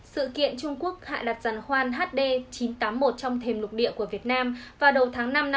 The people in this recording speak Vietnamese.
sự kiện trung quốc hạ đặt giàn khoan hd chín trăm tám mươi một trong thềm lục địa của việt nam vào đầu tháng năm năm hai nghìn hai mươi